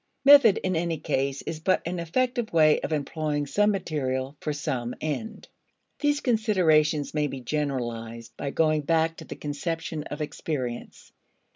Method in any case is but an effective way of employing some material for some end. These considerations may be generalized by going back to the conception of experience.